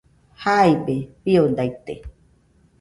Jaibe fiodaite